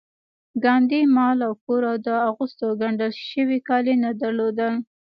ګاندي مال او کور او د اغوستو ګنډل شوي کالي نه درلودل